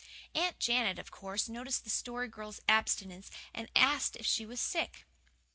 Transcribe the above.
Aunt Janet, of course, noticed the Story Girl's abstinence and asked if she was sick.